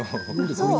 そう！